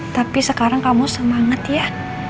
tapi sekarang kamu semangat ya